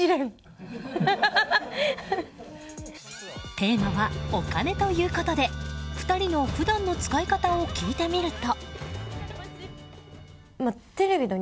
テーマはお金ということで２人の普段の使い方を聞いてみると。